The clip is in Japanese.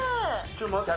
ちょっと待って。